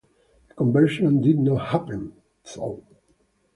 The conversion did not happen, though.